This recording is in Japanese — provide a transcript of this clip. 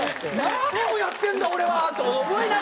何をやってんだ俺は！と思いながら。